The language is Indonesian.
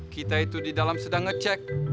kita itu di dalam sedang ngecek